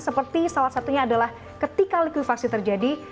seperti salah satunya adalah ketika likuifaksi terjadi